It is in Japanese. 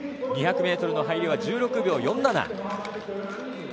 ２００ｍの入りは１６秒４７。